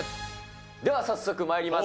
では早速まいります。